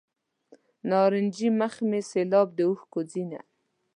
نارنجي مخ مې سیلاب د اوښکو ځینه.